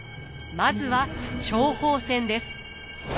まずは諜報戦です。